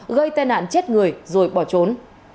gây tai nạn chết người rồi bỏ trốn